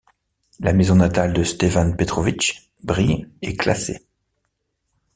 La maison natale de Stevan Petrović Brile est classée.